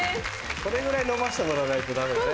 これぐらい伸ばしてもらわないとダメだね。